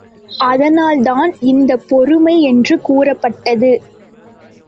அதனால் தான் இந்தப் பொறுமை என்று கூறப்பட்டது.